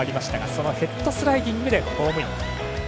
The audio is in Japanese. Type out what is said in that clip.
そのヘッドスライディングでホームイン。